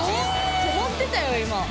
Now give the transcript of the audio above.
止まってたよ今。